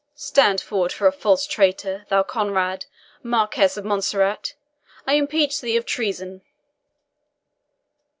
Stand forward for a false traitor, thou Conrade, Marquis of Montserrat! I impeach thee of treason."